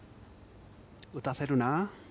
打たせるな。